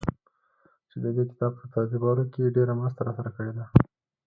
چي ددې کتاب په ترتيبولو کې يې ډېره مرسته راسره کړې ده.